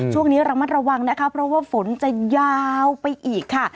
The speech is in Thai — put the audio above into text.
ช่วงนี้ระมัดระวังนะคะเพราะว่าฝนจะยาวไปอีกค่ะ